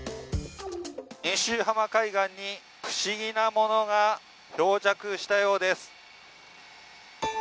遠州浜海岸に不思議な球が漂着したようです。